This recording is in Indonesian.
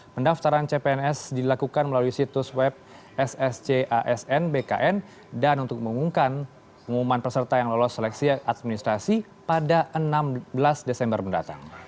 pendaftaran cpns dilakukan melalui situs web sscasn bkn dan untuk mengumumkan pengumuman peserta yang lolos seleksi administrasi pada enam belas desember mendatang